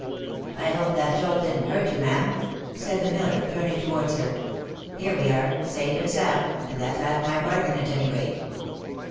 " I hope that jolt didn't hurt you, ma'am V said the miller, turning towards her. " Here we are, safe and sound, and that's half my bargain, at any rate."